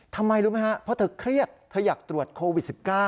ทำไมรู้ไหมครับเพราะเธอเครียดเธออยากตรวจโควิด๑๙